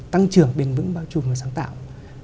tăng trưởng bền vững bao trùm và sáng tạo